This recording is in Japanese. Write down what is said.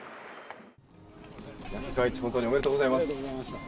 世界一おめでとうございます。